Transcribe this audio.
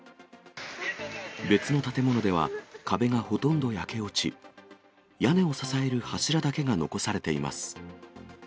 別の建物では、壁がほとんど焼け落ち、屋根を支える柱だけが残されています。